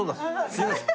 すいません。